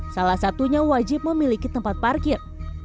salah satunya wajib memiliki tempat parkir